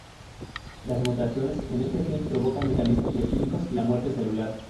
Las mutaciones en este gen provocan por mecanismos bioquímicos la muerte celular.